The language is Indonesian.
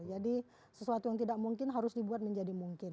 jadi sesuatu yang tidak mungkin harus dibuat menjadi mungkin